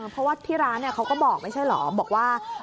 เพราะว่าที่ร้านเขาก็บอกไม่ใช่เหรอบอกว่า